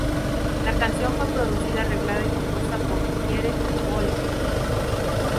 La canción fue producida, arreglada y compuesta por Dieter Bohlen.